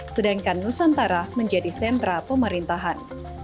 sedangkan nusantara menjadi sentra pemerintahan